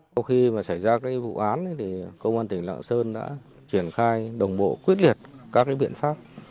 sau khi mà xảy ra vụ án thì công an tỉnh lạng sơn đã triển khai đồng bộ quyết liệt các biện pháp